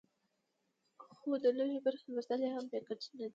خو د لږې برخې لوستل یې هم بې ګټې نه دي.